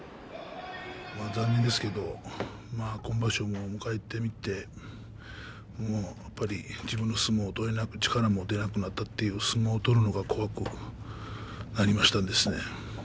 残念ですけれど今場所を迎えてみてやっぱり自分の相撲が取れなくて力が出なくて相撲を取るのが怖くなりましたですね。